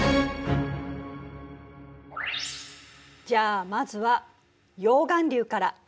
じゃあまずは溶岩流から。